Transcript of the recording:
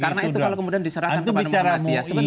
karena itu kalau kemudian diserahkan kepada muhammadiyah sebentar